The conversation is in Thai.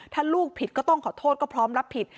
ถ้าลูกผิดก็ต้องขอโทษก็พร้อมรับผิด